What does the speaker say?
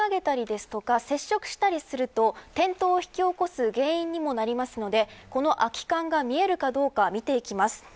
乗り上げたり、接触したりすると転倒を引き起こす原因になりますのでこの空き缶が見えるかどうか見ていきます。